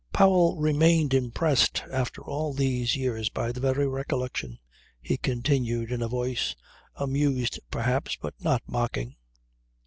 "Powell remained impressed after all these years by the very recollection," he continued in a voice, amused perhaps but not mocking.